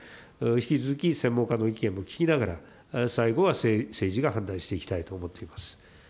引き続き専門家の意見も聞きながら、最後は政治が判断していきたいと思っております。